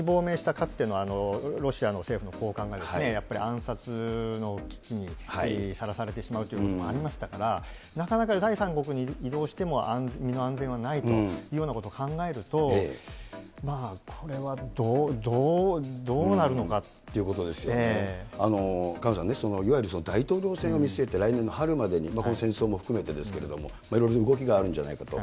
かつてのロシアの政府の高官が、やっぱり暗殺の危機にさらされてしまうということもありましたから、なかなか第三国に移動しても、身の安全はないというようなことを考えると、萱野さんね、いわゆる大統領選を見据えて、来年の春までに、この戦争も含めてですけれども、いろいろ動きがあるんじゃないかと。